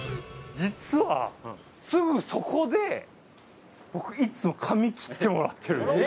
実はすぐそこで僕いつも髪切ってもらってるんですよ。